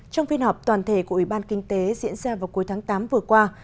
trong phiên họp toàn thể của ủy ban kinh tế diễn ra vào cuối tháng tám vừa qua